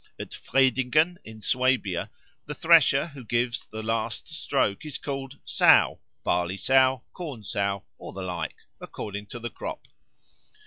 At Friedingen, in Swabia, the thresher who gives the last stroke is called Sow Barley sow, Corn sow, or the like, according to the crop.